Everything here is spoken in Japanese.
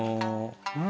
うん！